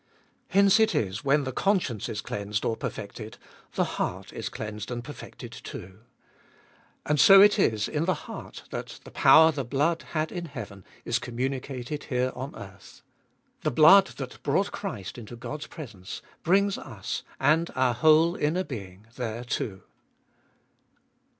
Hence it is when the conscience is cleansed or perfected, the heart is cleansed and perfected too. And so it is in the heart that the power the blood had in heaven is communicated here on earth. The blood that brought Christ into God's presence, brings us, and our whole inner being, there too.